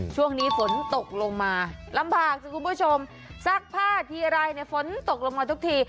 ช่วงนี้ฝนตกลงมาลำบากสิคุณผู้ชมซักผ้าทีไรเนี่ยฝนตกลงมาทุกที